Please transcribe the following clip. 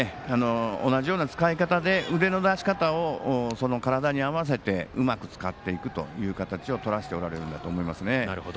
同じような使い方で腕の出しかたを体に合わせてうまく使っていくという形を取らせているんだと思います。